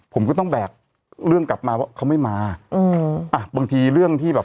ผมก็ต้องแบกเรื่องกลับมาว่าเขาไม่มาอืมอ่ะบางทีเรื่องที่แบบ